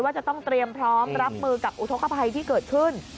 จะต้องเตรียมพร้อมรับมือกับอุทธกภัยที่เกิดขึ้น